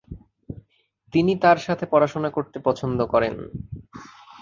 তিনি তাঁর সাথে পড়াশোনা করতে পছন্দ করেন।